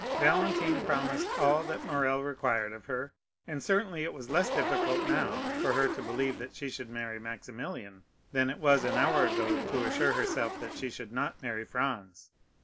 Valentine promised all that Morrel required of her, and certainly it was less difficult now for her to believe that she should marry Maximilian than it was an hour ago to assure herself that she should not marry Franz.